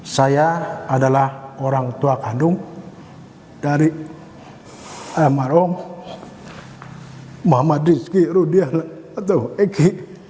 saya adalah orang tua kandung dari amarong muhammad rizki rudial atau eki